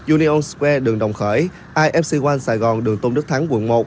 union square đường đồng khởi ifc one sài gòn đường tôn đức thắng quận một